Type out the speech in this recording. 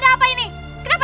ada apa sini ribut ribut